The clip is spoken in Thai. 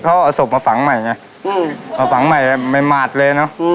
เขาเอาศพมาฝังใหม่ไงเอาฝังใหม่ไม่หมาดเลยเนอะ